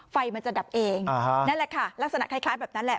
ไฟมันจะดับเองนั่นแหละค่ะลักษณะคล้ายแบบนั้นแหละ